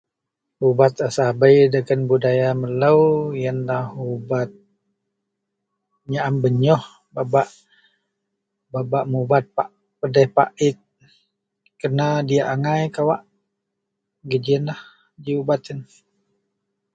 ubat a sabei dagen budaya melou ienlah ubat nyaam benyoh bebak, bebak mubat pedih pait kerna diyak agai kawak ,gienlah ji ubat yen